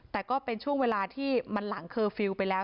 แต่ก็เป็นช่วงเวลาที่มันหลังเคอร์ฟิลล์ไปแล้ว